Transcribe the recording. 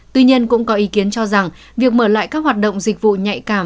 tuy nhiên cũng có ý kiến cho rằng việc mở lại các hoạt động dịch vụ nhạy cảm